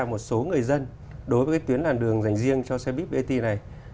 một số người dân đối với tuyến làn đường dành riêng cho xe buýt brt này